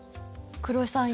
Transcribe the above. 黒井さん